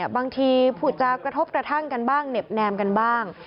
บางทีผุดจากกระทบกระทั่งกันบ้างเหน็บแนมกันบ้าง